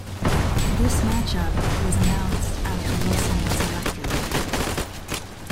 This matchup was announced after Wilson was elected.